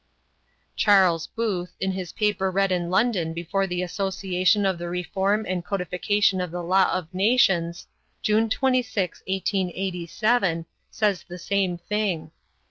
Charles Booth, in his paper read in London before the Association for the Reform and Codification of the Law of Nations, June 26, 1887, says the same thing.